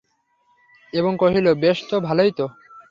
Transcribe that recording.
এবং কহিল, বেশ তো, ভালোই তো।